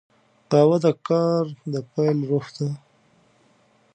قهوه د کار د پیل روح ده